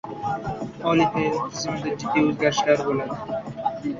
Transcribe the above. Oliy ta’lim tizimida jiddiy o‘zgarishlar bo‘ladi